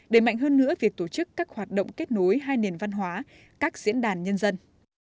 đẩy mạnh hơn nữa việc tổ chức các hoạt động kết nối hai nền văn hóa các diễn đàn nhân dân